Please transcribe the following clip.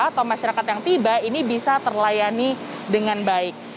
atau masyarakat yang tiba ini bisa terlayani dengan baik